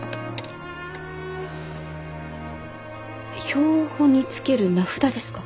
標本につける名札ですか？